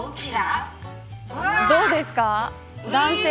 どうですか。